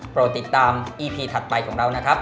โพรติตามอีพีถัดไปของเรา